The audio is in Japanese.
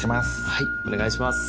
はいお願いします。